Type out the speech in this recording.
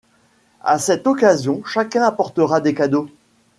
À cette occasion chacun apportera des cadeaux.